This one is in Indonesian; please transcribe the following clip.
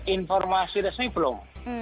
informasi resmi belum